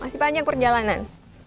masih panjang perjalanan